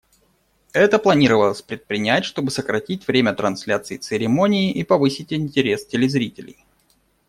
Это планировалось предпринять, чтобы сократить время трансляции церемонии и повысить интерес телезрителей.